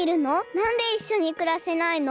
なんでいっしょにくらせないの？